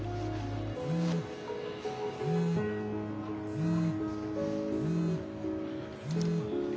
うん。